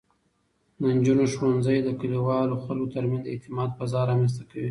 د نجونو ښوونځی د کلیوالو خلکو ترمنځ د اعتماد فضا رامینځته کوي.